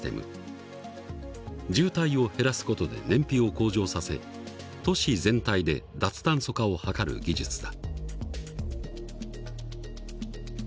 渋滞を減らす事で燃費を向上させ都市全体で脱炭素化を図る技術だ。